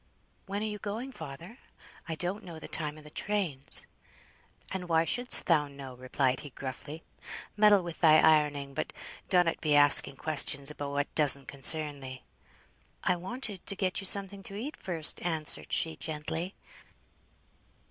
"When are you going, father? I don't know the time o' the trains." "And why shouldst thou know?" replied he, gruffly. "Meddle with thy ironing, but donnot be asking questions about what doesn't concern thee." "I wanted to get you something to eat first," answered she, gently.